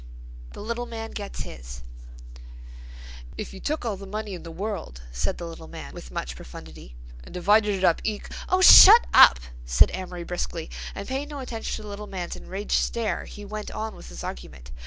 THE LITTLE MAN GETS HIS "If you took all the money in the world," said the little man with much profundity, "and divided it up in equ—" "Oh, shut up!" said Amory briskly and, paying no attention to the little man's enraged stare, he went on with his argument.